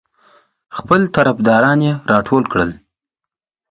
خپل طرفداران یې راټول کړل.